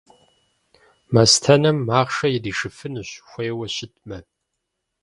Мастэнэм махъшэ иришыфынущ, хуейуэ щытымэ.